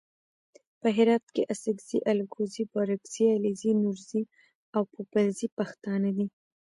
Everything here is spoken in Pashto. په هرات کې اڅګزي الکوزي بارګزي علیزي نورزي او پوپلزي پښتانه دي.